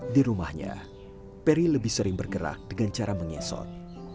di rumahnya peri lebih sering bergerak dengan cara mengesot